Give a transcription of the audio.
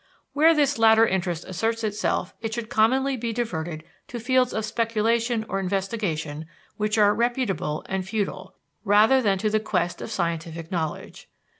Where this latter interest asserts itself it should commonly be diverted to fields of speculation or investigation which are reputable and futile, rather than to the quest of scientific knowledge.